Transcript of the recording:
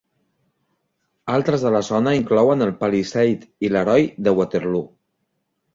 Altres de la zona inclouen el Palisade i l'heroi de Waterloo.